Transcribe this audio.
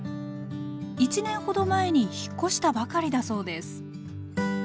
１年ほど前に引っ越したばかりだそうです